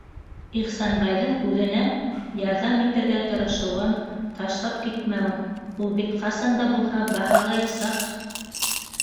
Ихсанбайҙың үҙенә ярҙам итергә тырышыуын, ташлап китмәүен ул бит ҡасан да булһа баһалаясаҡ!